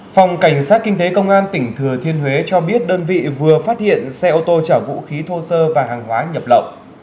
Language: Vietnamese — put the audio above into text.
phòng cảnh sát kinh tế công an tỉnh thừa thiên huế cho biết đơn vị vừa phát hiện xe ô tô chảo vũ khí thô sơ và hàng xe xe xe